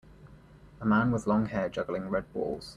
A man with long hair juggling red balls.